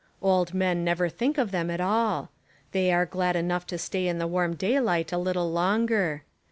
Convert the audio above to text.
Old men never think of them at all. They are glad enough to stay in the warm daylight a little longer.